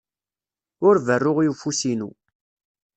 Ur berru i ufus-inu.